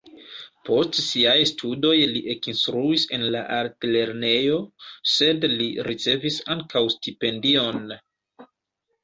Post siaj studoj li ekinstruis en la altlernejo, sed li ricevis ankaŭ stipendion.